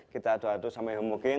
kita aduk aduk sampai mungkin